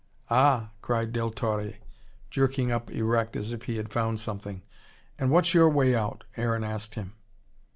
"Ah!" cried Del Torre, jerking up erect as if he had found something. "And what's your way out?" Aaron asked him.